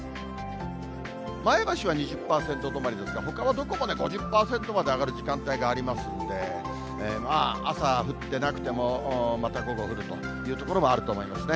前橋は２０％止まりですが、ほかはどこもね、５０％まで上がる時間帯がありますので、朝降ってなくても、また午後、降るという所もあると思いますね。